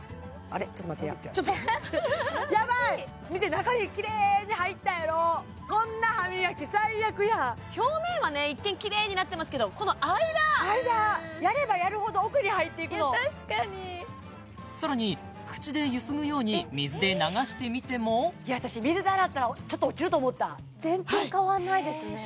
中にキレイに入ったやろこんな歯磨き最悪や表面はね一見キレイになってますけどこの間やればやるほど奥に入っていくのさらに口でゆすぐように水で流してみても私水で洗ったらちょっと落ちると思った全然変わんないですねへえ